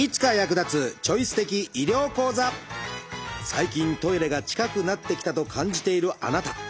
最近トイレが近くなってきたと感じているあなた。